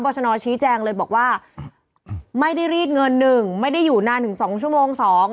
ชนชี้แจงเลยบอกว่าไม่ได้รีดเงิน๑ไม่ได้อยู่นานถึง๒ชั่วโมง๒